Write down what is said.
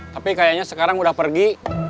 tapi kayaknya sekarang udah pergi